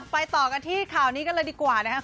ต่อกันที่ข่าวนี้กันเลยดีกว่านะครับ